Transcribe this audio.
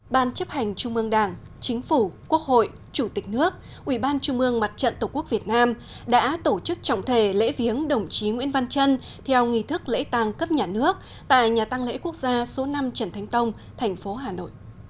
ban chấp hành trung ương đảng chính phủ quốc hội chủ tịch nước ủy ban trung ương mặt trận tổ quốc việt nam đã tổ chức trọng thể lễ viếng đồng chí nguyễn văn trân theo nghị thức lễ tàng cấp nhà nước tại nhà tăng lễ quốc gia số năm trần thánh tông thành phố hà nội